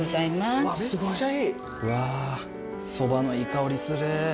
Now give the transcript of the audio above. うわそばのいい香りする。